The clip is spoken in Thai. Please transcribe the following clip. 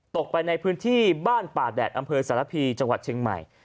ไปในพื้นที่บ้านป่าแดดอำเภอสารพีจังหวัดเชียงใหม่